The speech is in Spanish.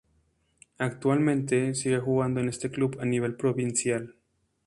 Actualmente sigue jugando en este club a nivel provincial.